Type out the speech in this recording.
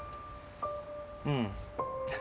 うん。